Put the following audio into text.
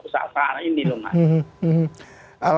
kesalahan ini loh mas